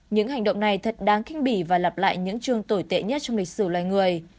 những hành động này thật đáng kinh bỉ và lặp lại những trường tồi tệ nhất trong lịch sử loài người